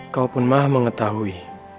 kau pun maha mengetahui